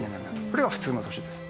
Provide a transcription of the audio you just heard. これが普通の年です。